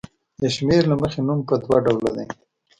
د شمېر له مخې نوم په دوه ډوله دی.